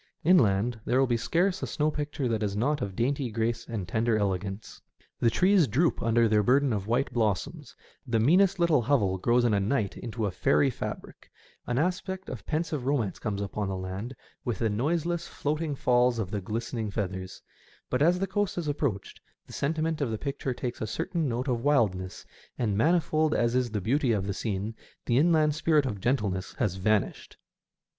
Inland there will be scarce a snow picture that is not of dainty grace and tender elegance. The trees 214 SEASIDE EFFECTS. droop under their burden of white blossoms, the meanest little hovel grows in a night into a fairy fabric, an aspect of pensive romance comes upon the land with the no* se less, floating falls of the glistening feathers ; but as the coast is approached the sentiment of the picture takes a certain note of wildness, and manifold as is the beauty of the scene, the inland spirit of gentleness has vanished.